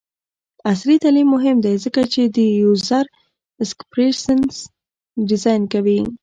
عصري تعلیم مهم دی ځکه چې د یوزر ایکسپیرینس ډیزاین کوي.